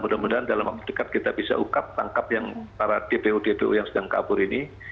mudah mudahan dalam waktu dekat kita bisa ungkap tangkap yang para dpo dpo yang sedang kabur ini